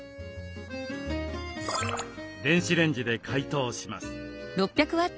電子レンジで解凍します。